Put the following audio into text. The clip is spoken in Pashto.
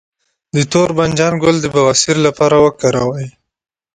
د تور بانجان ګل د بواسیر لپاره وکاروئ